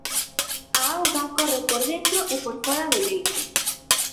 A auga corre por dentro e por fóra do leito.